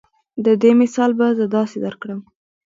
د دې مثال به زۀ داسې درکړم